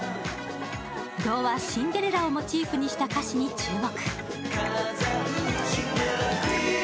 童話「シンデレラ」をモチーフにした歌詞に注目。